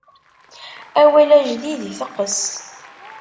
Awal ajdid iteqqes.